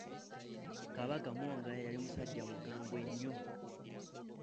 Kabaka mwanga yali musajja mukambwe nnyo.